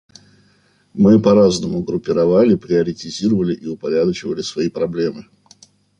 Мы по-разному группировали, приоритизировали и упорядочивали свои проблемы.